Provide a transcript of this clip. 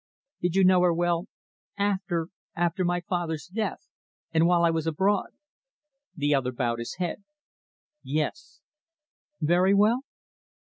"Did you know her well after after my father's death and while I was abroad?" The other bowed his head "Yes." "Very well?"